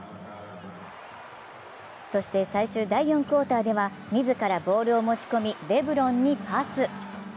そして、最終第４クオーターでは自らボールを持ち込みレブロンにパス。